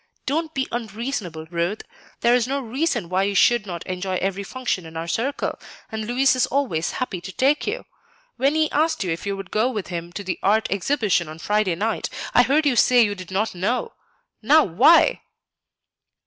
Don't be unreasonable, Ruth; there is no reason why you should not enjoy every function in our circle, and Louis is always happy to take you. When he asked you if you would go with him to the Art Exhibition on Friday night, I heard you say you did not know. Now why?"